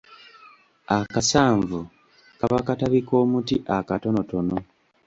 Akasanvu kaba katabi k’omuti akatonotono.